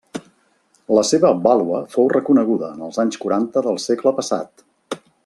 La seva vàlua fou reconeguda en els anys quaranta del segle passat.